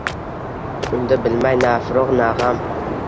Unda bilmay na firoq, na gʼam